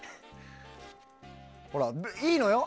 ほら、いいのよ？